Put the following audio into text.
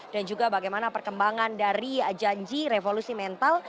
dan juga bagaimana perkembangan dari janji revolusi mental